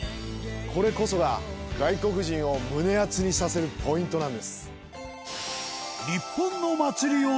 これこそが外国人を胸アツにさせるポイントなんです。